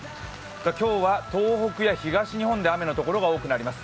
今日は東北や東日本で雨の所が多くなります。